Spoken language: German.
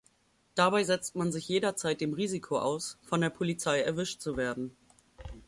Dabei setzt man sich jederzeit dem Risiko aus, von der Polizei erwischt zu werden.